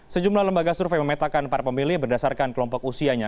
sejumlah lembaga survei memetakan para pemilih berdasarkan kelompok usianya